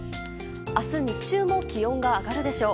明日、日中も気温が上がるでしょう。